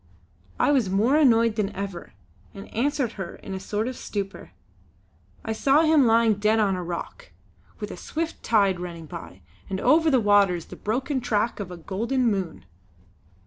I was more annoyed than ever and answered her in a sort of stupor: "I saw him lying dead on a rock, with a swift tide running by; and over the waters the broken track of a golden moon."